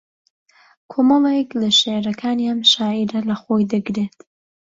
کۆمەڵێک لە شێعرەکانی ئەم شاعێرە لە خۆی دەگرێت